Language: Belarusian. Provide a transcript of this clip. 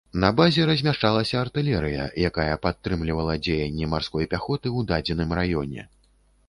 На базе размяшчалася артылерыя, якая падтрымлівала дзеянні марской пяхоты ў дадзеным раёне.